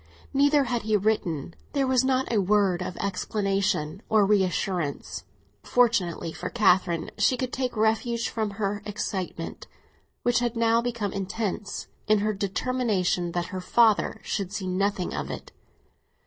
Neither had he written; there was not a word of explanation or reassurance. Fortunately for Catherine she could take refuge from her excitement, which had now become intense, in her determination that her father should see nothing of it.